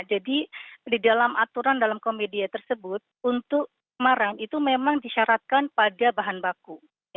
jadi di dalam aturan dalam kombedia tersebut untuk kemarang itu memang disyaratkan pada bahan baku